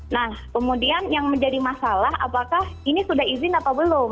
nah kemudian yang menjadi masalah apakah ini sudah izin atau belum